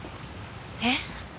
えっ？